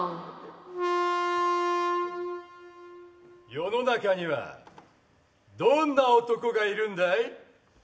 世の中にはどんな男がいるんだい。